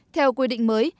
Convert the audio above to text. theo quy định mới